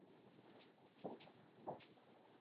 La razón es que llevas sangre mágica en las venas.